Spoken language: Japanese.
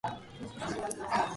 守りに入った